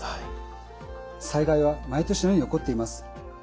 災害は毎年のように起こっています。